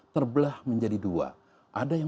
terbelah menjadi dua ada yang